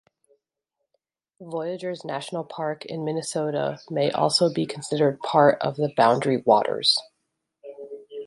Voyageurs National Park in Minnesota may also be considered part of the Boundary Waters.